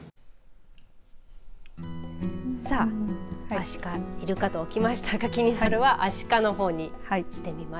アシカ、イルカときましたが気になるはアシカの方にしてみました。